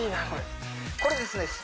これこれですね